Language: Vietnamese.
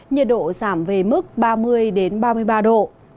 nhiệt độ giảm về mức ba mươi ba mươi ba độ